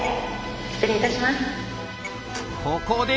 失礼いたします。